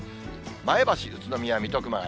前橋、宇都宮、水戸、熊谷。